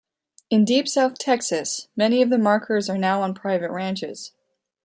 In deep South Texas, many of the markers are now on private ranches.